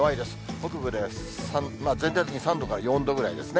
北部で、全体的に３度から４度ぐらいですね。